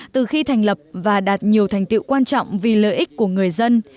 từ khi thành lập và đạt nhiều thành tiệu quan trọng vì lợi ích của người dân